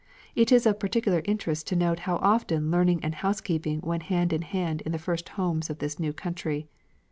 It is of particular interest to note how often learning and housekeeping went hand in hand in the first homes of this new country.